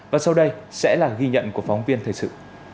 và sau đây sẽ là ghi nhận của phóng viên thời sự